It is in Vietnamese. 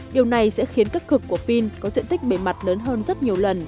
điều này sẽ khiến các cực của pin có diện tích bề mặt lớn hơn rất nhiều lần